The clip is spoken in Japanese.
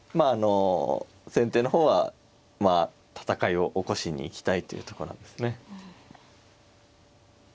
あの先手の方はまあ戦いを起こしに行きたいというとこなんですね。